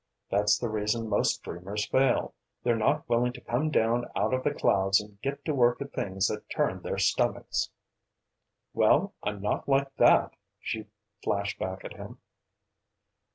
That's the reason most dreamers fail they're not willing to come down out of the clouds and get to work at things that turn their stomachs!" "Well, I'm not like that!" she flashed back at him.